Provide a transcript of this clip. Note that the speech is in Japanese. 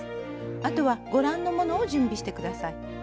あとはご覧のものを準備して下さい。